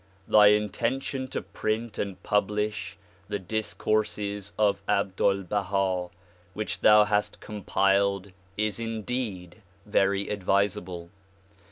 Thy intention to print and publish the discourses of Abdul Baha which thou hast compiled is indeed very advisable.